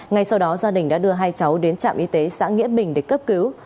ngay sau đó gia đình đã đưa hai cháu đến trạm y tế xã nghĩa bình để cấp cứu